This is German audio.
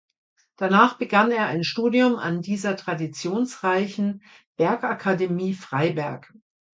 Danach begann er ein Studium an dieser traditionsreichen "Bergakademie Freiberg".